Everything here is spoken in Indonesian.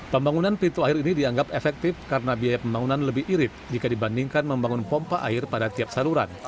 pembangunan pintu air ini dianggap efektif karena biaya pembangunan lebih irip jika dibandingkan membangun pompa air pada tiap saluran